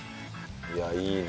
いやいいね！